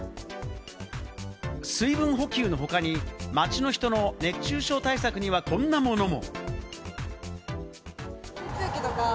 水分補給の他に街の人の熱中症対策にはこんなものも。